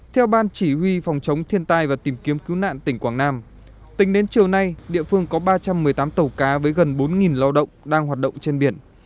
theo ban chỉ huy phòng chống thiên tai và tìm kiếm cứu nạn tỉnh quảng nam tính đến chiều nay địa phương có ba trăm một mươi tám tàu cá với gần bốn lao động đang hoạt động trên biển